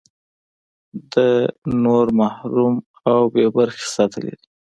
ده نور محروم او بې برخې ساتلي دي.